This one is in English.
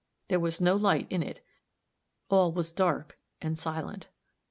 There was no light in it. All was dark and silent.